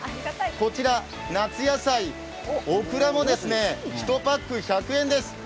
こちら夏野菜・オクラも１パック１００円です。